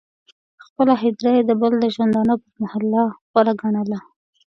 خپله هدیره یې د بل د ژوندانه پر محله غوره ګڼله.